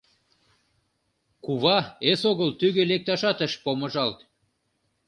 Кува эсогыл тӱгӧ лекташат ыш помыжалт.